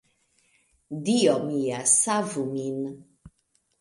"Dio mia, savu min!"